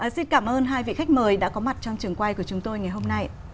xin cảm ơn hai vị khách mời đã có mặt trong trường quay của chúng tôi ngày hôm nay